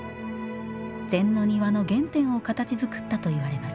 禅の庭の原点を形づくったといわれます